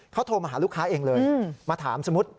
เขาโทรมาหาลูกค้าเองเลยมาถามสมมุติ